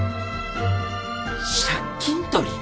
借金取り！？